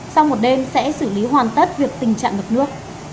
sau một đêm sẽ xử lý hoàn tất việc tình trạng ngập nước